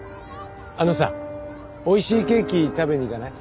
あのさおいしいケーキ食べに行かない？